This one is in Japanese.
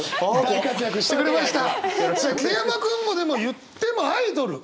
桐山君もでも言ってもアイドル。